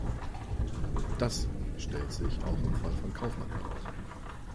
Das stellt sich auch im Fall von Kaufman heraus.